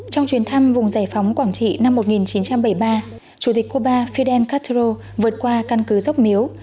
trong chuyến thăm vùng giải phóng quảng trị năm một nghìn chín trăm bảy mươi ba chủ tịch cuba fidel castro vượt qua căn cứ dốc miếu